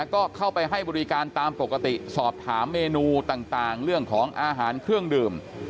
ก็เข้าไปให้บริการตามปกติสอบถามเมนูต่างเรื่องของอาหารเครื่องดื่ม